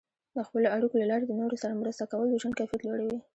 د خپلو اړیکو له لارې د نورو سره مرسته کول د ژوند کیفیت لوړوي.